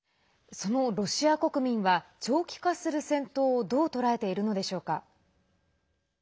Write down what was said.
そのロシア国民は長期化する戦闘をどう捉えているのでしょうか？